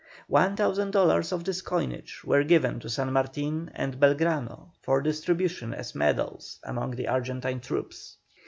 One thousand dollars of this coinage were given to San Martin and Belgrano for distribution as medals among the Argentine troops.